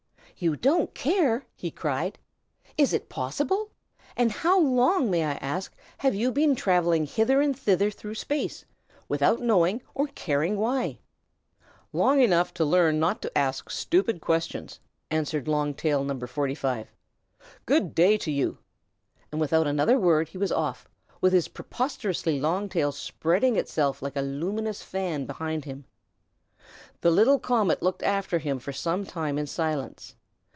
"You don't care!" he cried. "Is it possible? And how long, may I ask, have you been travelling hither and thither through space, without knowing or caring why?" "Long enough to learn not to ask stupid questions!" answered Long Tail No. 45. "Good morning to you!" And without another word he was off, with his preposterously long tail spreading itself like a luminous fan behind him. The little comet looked after him for some time in silence.